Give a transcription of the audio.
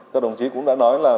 các đồng chí cũng đã nói là